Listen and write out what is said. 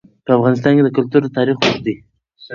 په افغانستان کې د کلتور تاریخ اوږد دی.